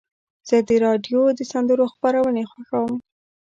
زه د راډیو د سندرو خپرونې خوښوم.